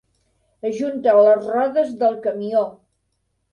Ajunta les rodes del camió.